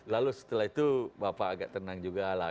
lalu setelah itu bapak agak tenang juga lah